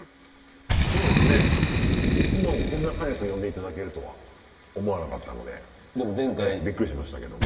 そうですねもうこんな早く呼んでいただけるとは思わなかったのでびっくりしましたけど。